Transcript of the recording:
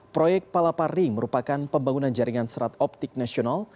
proyek palapa ring merupakan pembangunan jaringan serat optik nasional